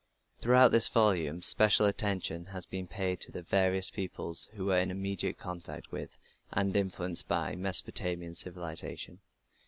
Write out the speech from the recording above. Throughout this volume special attention has been paid to the various peoples who were in immediate contact with, and were influenced by, Mesopotamian civilization.